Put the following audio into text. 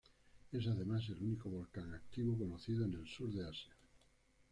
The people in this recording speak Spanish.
Es además el único volcán activo conocido en el sur de Asia.